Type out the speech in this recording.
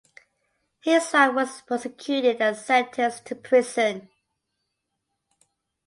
His wife was prosecuted and sentenced to prison.